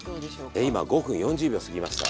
え今５分４０秒過ぎました。